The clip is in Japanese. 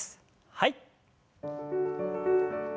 はい。